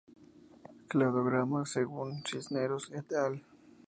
Cladograma según Cisneros "et al.